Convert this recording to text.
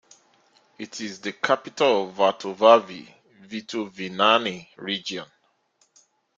It is the capital of Vatovavy-Fitovinany Region.